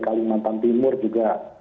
kalimantan timur juga